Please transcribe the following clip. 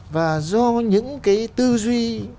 và do những cái tư duy